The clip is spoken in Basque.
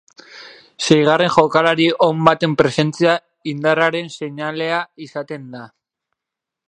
Seigarren jokalari on baten presentzia indarraren seinalea izaten da.